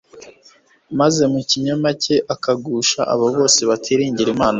maze mu kinyoma cye akagusha abo bose batiringira Imana.